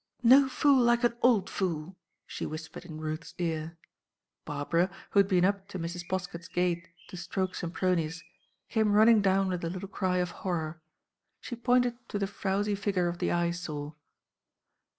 "No fool like an old fool," she whispered in Ruth's ear. Barbara, who had been up to Mrs. Poskett's gate to stroke Sempronius, came running down with a little cry of horror. She pointed to the frouzy figure of the Eyesore.